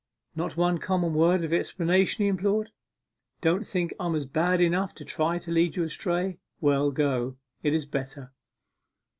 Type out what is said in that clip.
'Not one common word of explanation?' he implored. 'Don't think I am bad enough to try to lead you astray. Well, go it is better.